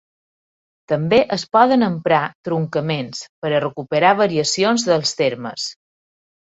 També es poden emprar truncaments per a recuperar variacions dels termes.